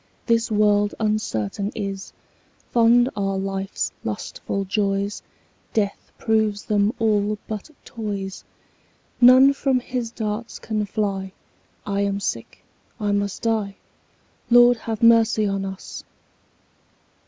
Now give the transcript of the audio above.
This world uncertain is: Fond are life's lustful joys, Death proves them all but toys. None from his darts can fly; 5 I am sick, I must die— Lord, have mercy on us!